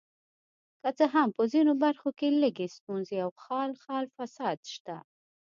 که څه هم په ځینو برخو کې لږې ستونزې او خال خال فساد شته.